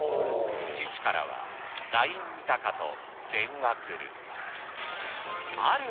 父からはライン見たかと電話来る。